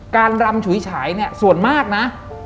การรำฉุยฉายนี่ส่วนมากนะ